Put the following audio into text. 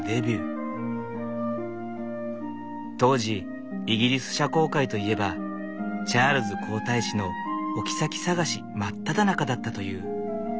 当時イギリス社交界といえばチャールズ皇太子のおきさき探し真っただ中だったという。